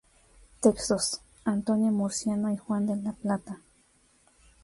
Textos: Antonio Murciano y Juan de la Plata.